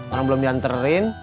orang belum dianterin